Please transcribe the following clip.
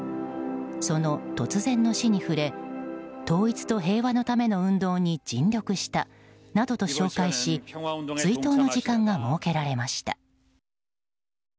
その突然の死に触れ統一と平和のための運動に尽力したなどと紹介し追悼の時間が設けられました。